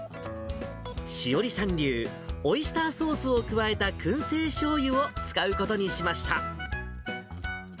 詩織さん流オイスターソースを加えたくん製しょうゆを使うことにしました。